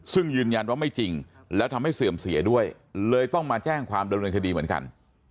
ซึ่งยืนยันว่าไม่จริงแล้วทำให้เสื่อมเสียด้วยเลยต้องมาแจ้งความดำเนินคดีเหมือนกัน